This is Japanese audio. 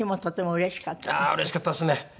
うれしかったですね。